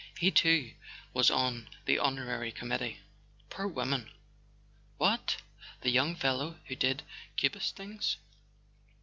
He too was on the honorary committee. "Poor woman! What? The young fellow who did Cubist things